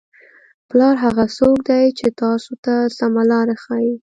پلار هغه څوک دی چې تاسو ته سمه لاره ښایي.